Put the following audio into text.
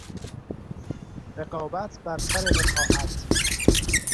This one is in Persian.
رقابت بر سر وقاحت